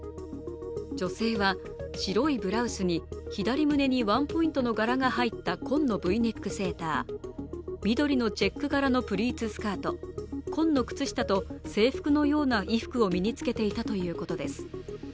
女性は白いブラウスに左胸にワンポイントの柄が入った紺のＶネックセーター緑のチェック柄のプリーツスカート紺のスカートと制服のような衣服を身につけていたということです。